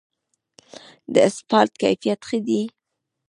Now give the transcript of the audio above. د اسفالټ کیفیت ښه دی؟